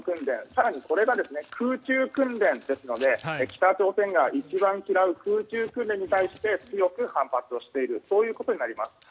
更にそれが空中訓練ですので北朝鮮が一番嫌う空中訓練に対して強く反発をしているそういうことになります。